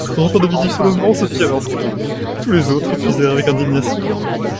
Trente individus seulement se firent inscrire ; tous les autres refusèrent avec indignation.